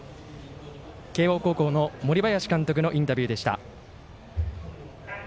慶応高校の森林監督のインタビューでした。